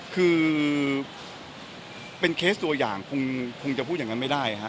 คือเป็นเคสตัวอย่างคงจะพูดอย่างนั้นไม่ได้ฮะ